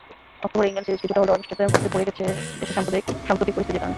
অক্টোবরের England series কিছুটা হলেও অনিশ্চয়তার মধ্যে পড়ে গেছে দেশের সাম্প্রতিক পরিস্থিতির কারণে।